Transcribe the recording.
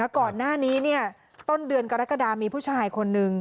ก่อนหน้านี้ต้นเดือนกรกฎามีผู้ชายคนนึง